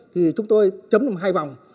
thì chúng tôi chấm trong hai vòng